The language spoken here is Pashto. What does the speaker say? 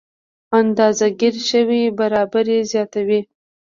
اندازه ګیره شوې برابري زیاتوي.